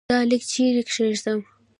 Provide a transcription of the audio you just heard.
دا لیک چيري کښېږدم ؟